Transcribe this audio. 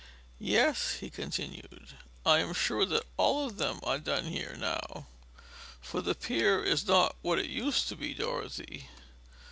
"Yes," he continued, "I am sure that all of them are done here now for the Pier is not what it used to be, Dorothy.